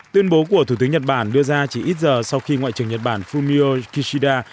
tuyên bố của thủ tướng nhật bản đưa ra chỉ ít giờ sau khi ngoại trưởng nhật bản fumio kishida